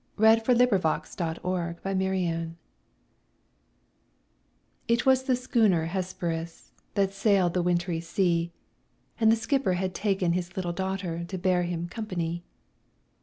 SIR W. SCOTT. THE WRECK OF THE HESPERUS It was the schooner Hesperus, That sailed the wintry sea; And the skipper had taken his little daughter, To bear him company.